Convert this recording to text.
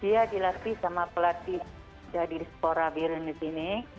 dia dilatih sama pelatih dari sekolah biren